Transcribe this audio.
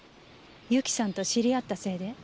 由紀さんと知り合ったせいで？